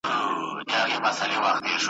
یوه تحقیقي مرکز